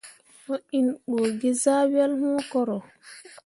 Mo inɓugezah wel wũ koro.